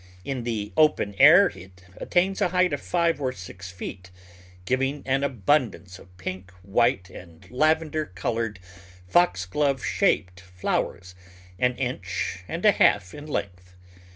In the open air it attains a height of five or six feet, giving an abundance of pink, white, and lavender coloured, foxglove shaped flowers, an inch and a half in length.